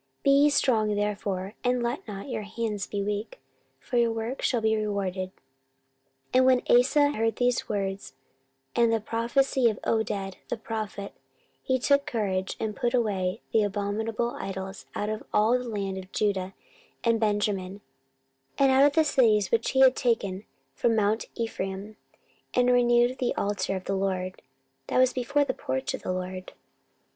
14:015:007 Be ye strong therefore, and let not your hands be weak: for your work shall be rewarded. 14:015:008 And when Asa heard these words, and the prophecy of Oded the prophet, he took courage, and put away the abominable idols out of all the land of Judah and Benjamin, and out of the cities which he had taken from mount Ephraim, and renewed the altar of the LORD, that was before the porch of the LORD.